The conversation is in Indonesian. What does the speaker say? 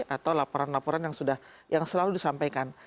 atau laporan laporan yang selalu disampaikan